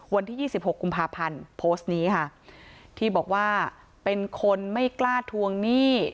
วันที่๒๖กุมภาพันธ์โพสต์นี้ค่ะที่บอกว่าเป็นคนไม่กล้าทวงหนี้